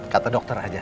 kata dokter aja